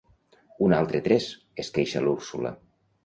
Un altre tres! –es queixa l'Úrsula–.